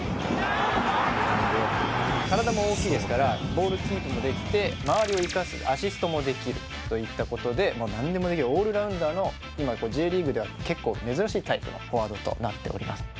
体も大きいですからボールキープもできて周りを生かすアシストもできるといった事でなんでもできるオールラウンダーの今Ｊリーグでは結構珍しいタイプのフォワードとなっております。